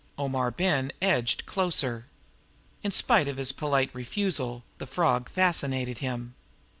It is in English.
Omar Ben edged closer. In spite of his polite refusal, the frog fascinated him.